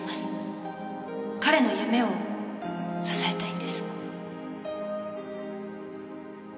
彼の夢を支えたいんです。